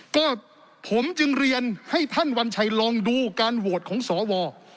ก็ผมจึงเรียนให้ท่านวัญชัยลองดูการโหวตของสว